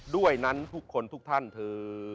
ด้วยนั้นทุกคนทุกท่านเธอ